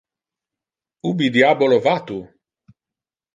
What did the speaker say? Ubi diabolo va tu?